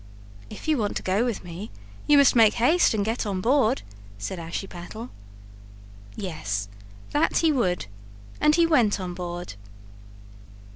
"If you want to go with me, you must make haste and get on board," said Ashiepattle. Yes, that he would. And he went on board.